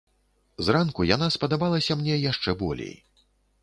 Зранку яна спадабалася мне яшчэ болей.